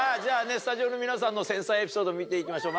スタジオの皆さんの繊細エピソード見ていきましょう